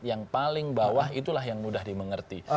yang paling bawah itulah yang mudah dimengerti